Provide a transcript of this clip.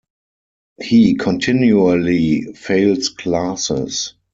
He continually fails classes.